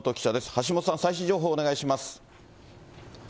橋本さん、最新情報お願いします。